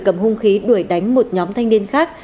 cầm hung khí đuổi đánh một nhóm thanh niên khác